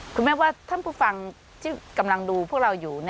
คุณแม่ว่าท่านผู้ฟังที่กำลังดูพวกเราอยู่